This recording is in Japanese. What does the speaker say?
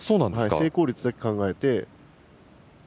成功率だけ考えて。